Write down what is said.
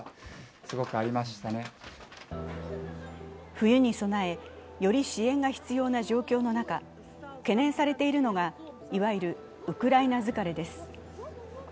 冬に備え、より支援が必要な状況の中、懸念されているのが、いわゆるウクライナ疲れです。